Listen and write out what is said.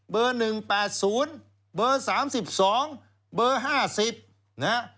เบอร์๑๘๐เบอร์๓๒เบอร์๕๐นะ